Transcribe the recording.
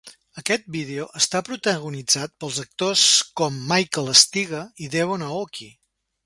Aquest vídeo està protagonitzat pels actors com Michael Steger i Devon Aoki.